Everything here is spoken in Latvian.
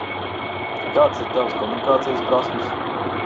Kādas ir Tavas komunikācijas prasmes?